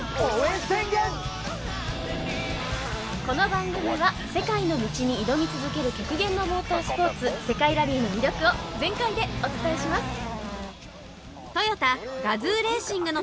この番組は世界の道に挑み続ける極限のモータースポーツ世界ラリーの魅力を全開でお伝えします。